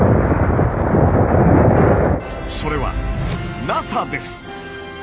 それはＮＡＳＡです！